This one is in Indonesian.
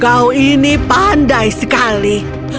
kau ini pandai sekali